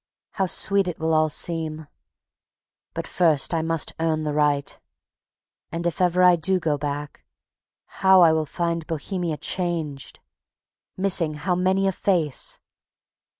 How sweet it will all seem. But first I must earn the right. And if ever I do go back, how I will find Bohemia changed! Missing how many a face!